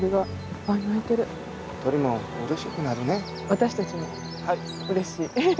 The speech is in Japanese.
私たちもうれしい。